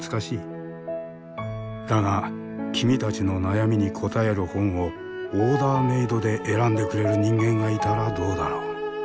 だが君たちの悩みに答える本をオーダーメードで選んでくれる人間がいたらどうだろう？